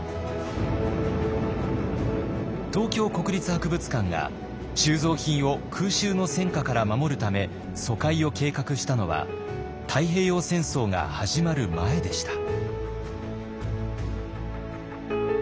東京国立博物館が収蔵品を空襲の戦火から守るため疎開を計画したのは太平洋戦争が始まる前でした。